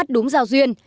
hát đúng giao duyên